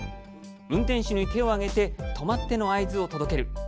運転手に手を上げて「止まって」の合図を届ける。